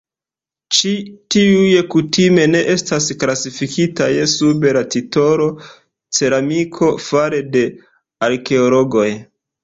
Ĉi tiuj kutime ne estas klasifikitaj sub la titolo "ceramiko" fare de arkeologoj.